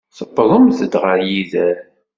Tewwḍemt ɣer yider.